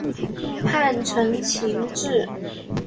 汉承秦制。